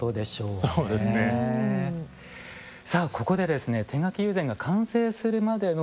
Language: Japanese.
さあここで手描き友禅が完成するまでの工程